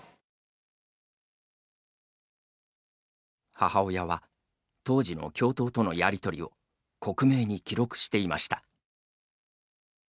母親は当時の教頭とのやり取りを克明に記録していました。